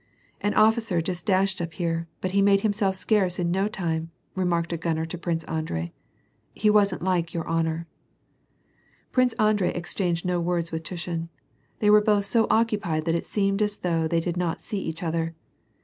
" An officer just dashed up here, but he made himself scarce in no time," remarked a gunner to Prince Andrei. " He wasn't liice your honor." Prince Andrei exchanged no words with Tushin. They were both so occupied that it seemed as though they did not see each other.